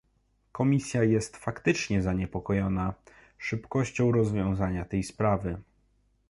Komisja jest faktycznie zaniepokojona szybkością rozwiązania tej sprawy